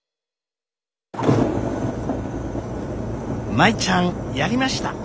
舞ちゃんやりました！